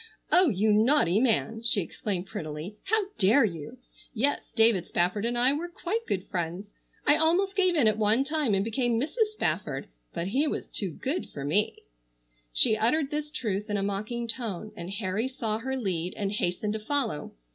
"Oh, you naughty man!" she exclaimed prettily. "How dare you! Yes, David Spafford and I were quite good friends. I almost gave in at one time and became Mrs. Spafford, but he was too good for me!" She uttered this truth in a mocking tone, and Harry saw her lead and hastened to follow.